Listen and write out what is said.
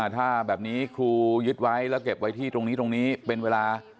ถ้าแบบนี้ครูยึดไว้แล้วเก็บไว้ที่ตรงนี้ตรงนี้เป็นเวลา